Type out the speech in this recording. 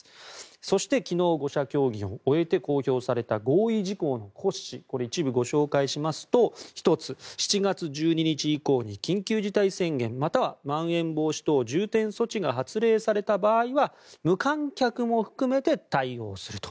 そして昨日、５者協議を終えて公表された合意事項の骨子一部ご紹介しますと１つ、７月１２日以降に緊急事態宣言または、まん延防止等重点措置が発令された場合は無観客も含めて対応すると。